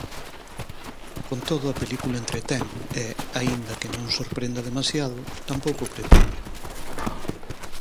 Con todo a película entretén e, aínda que non sorprenda demasiado, tampouco o pretende.